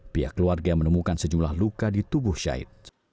pihak keluarga menemukan sejumlah luka di tubuh syahid